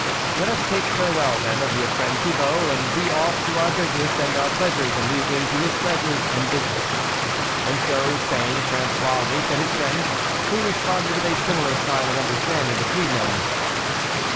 " Let us take farewell then of your friend Thibault, and be off to our business and our pleasures, and leave him to his pleasures and business." And so saying, Frangois winked at his friend, who re sponded with a similar sign of under standing between them.